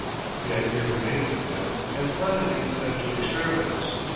The idea remained with him, and finally led to experiments.